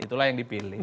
itulah yang dipilih